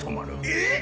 えっ！？